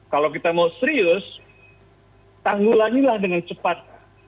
kalau kita mau serius tanggulahnya lah dengan cepat